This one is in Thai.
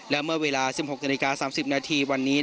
และเมื่อเวลา๑๖น๓๐นวันนี้